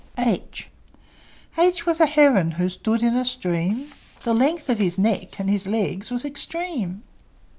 H H was a heron, Who stood in a stream: The length of his neck And his legs was extreme.